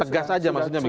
pegas aja maksudnya begitu